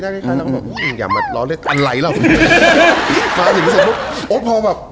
หน้าคล้ายแล้วผมแบบ